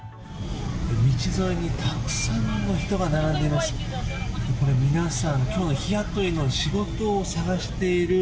道沿いにたくさんの人が並んでいます。